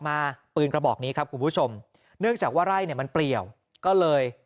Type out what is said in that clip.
มาปืนกระบอกนี้ครับคุณผู้ชมเนื่องจากว่าไร่เนี่ยมันเปลี่ยวก็เลย